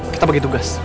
kita bagi tugas